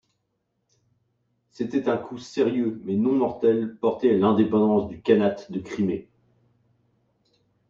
C'était un coup sérieux, mais non mortel, porté à l'indépendance du Khanat de Crimée.